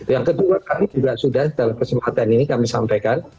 yang kedua kami juga sudah dalam kesempatan ini kami sampaikan